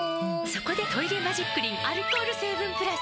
そこで「トイレマジックリン」アルコール成分プラス！